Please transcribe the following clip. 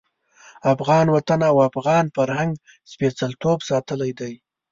افغان وطن او افغان فرهنګ سپېڅلتوب ساتلی دی.